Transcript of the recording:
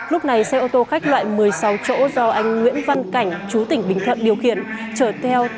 lúc này xe ô tô khách loại một mươi sáu chỗ do anh nguyễn văn cảnh chú tỉnh bình thuận điều khiển chở theo